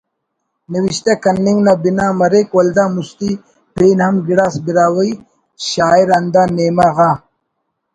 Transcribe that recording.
نوشتہ کننگ نا بنا مریک ولدا مُستی پین ہم گڑاس براہوئی شاعر ہندا نیمہ غا